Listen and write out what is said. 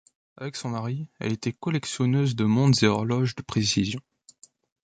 Avec son mari, elle était collectionneuse de montres et horloges de précision.